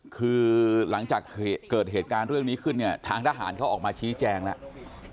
คือหลังจากเกิดเหตุการณ์เรื่องนี้ขึ้นเนี่ยทางทหารเขาออกมาชี้แจงแล้ว